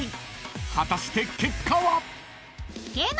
［果たして結果は？］